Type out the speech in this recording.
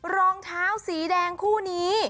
รองเท้าสีแดงคู่นี้